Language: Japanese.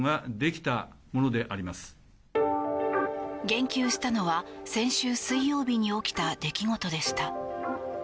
言及したのは先週水曜日に起きた出来事でした。